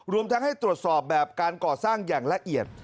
รวมทั้งให้ตรวจสอบแบบการก่อสร้างอย่างละเอียด